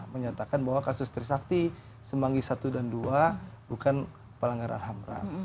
menyatakan bahwa kasus trisakti semanggi satu dan dua bukan pelanggaran hamra